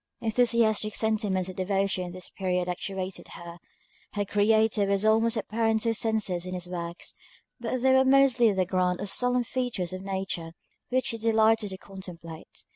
Enthusiastic sentiments of devotion at this period actuated her; her Creator was almost apparent to her senses in his works; but they were mostly the grand or solemn features of Nature which she delighted to contemplate.